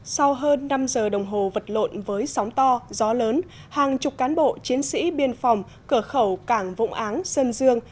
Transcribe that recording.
sau hơn năm giờ đồng hồ vật lộn với sóng to gió lớn hàng chục cán bộ chiến sĩ biên phòng cửa khẩu cảng vũng áng sơn dương